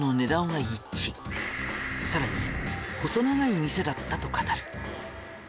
さらに細長い店だったと語る。